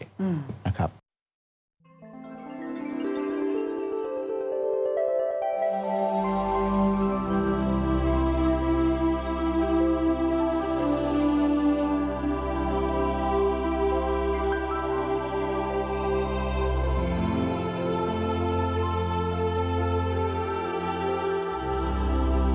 มันเป็นอุปสรรคต่อการตัดสินใจเสี่ยงอะไรบางอย่าง